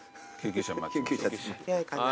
・よいかな？